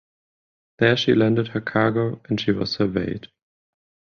There she landed her cargo and she was surveyed.